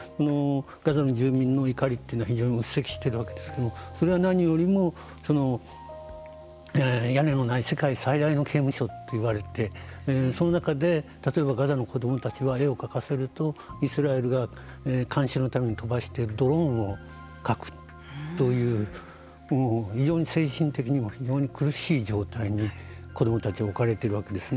ガザの住民の怒りというのは非常にうっせきしているわけですけれどもそれは何よりも屋根のない世界最大の刑務所と言われてその中で例えばガザの子どもたちは絵を描かせるとイスラエルが監視のために飛ばしているドローンを描くという非常に精神的にも非常に苦しい状態に子どもたちは置かれているわけですね。